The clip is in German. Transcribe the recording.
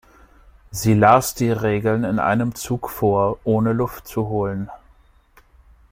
Sie las die Regeln in einem Zug vor, ohne Luft zu holen.